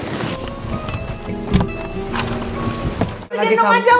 nanti nong aja udah